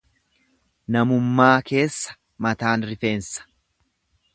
Namummaa keessa mataan rifeensa.